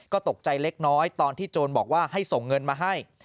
ก็ตกใจเล็กน้อยตอนที่โจรบอกว่าให้ส่งเงินมาให้